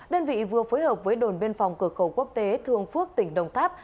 đơn vị vừa phối hợp với đồn biên phòng cửa khẩu quốc tế thương phước tỉnh đồng tháp